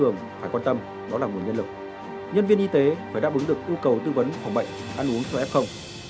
nhân viên y tế phải đáp ứng được ưu cầu tư vấn phòng bệnh ăn uống cho f